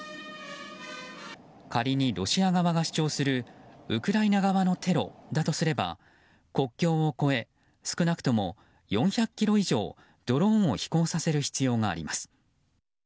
仮にロシア側が主張するウクライナ側のテロだとすれば国境を越え少なくとも４００ｋｍ以上ドローンを飛行させる必要があります。